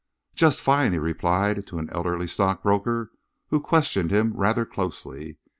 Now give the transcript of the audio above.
"Just fine," he replied to an elderly stockbroker who questioned him rather closely.